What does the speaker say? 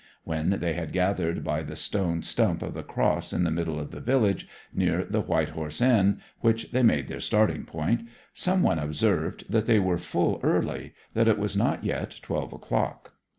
When they had gathered by the stone stump of the cross in the middle of the village, near the White Horse Inn, which they made their starting point, some one observed that they were full early, that it was not yet twelve o'clock.